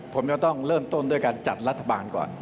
ผมจะต้องเริ่มต้นด้วยการจัดรัฐบาลก่อน